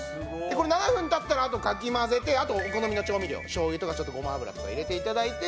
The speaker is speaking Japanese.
これ７分経ったらあとかき混ぜてあとお好みの調味料しょう油とかちょっとごま油とか入れて頂いて。